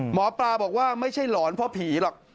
หมอปลาบอกว่าไม่ใช่หลอนเพราะผีหรอก